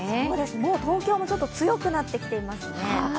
もう東京もちょっと強くなってきていますね。